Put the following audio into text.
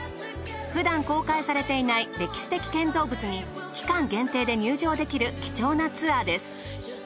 ふだん公開されていない歴史的建造物に期間限定で入場できる貴重なツアーです。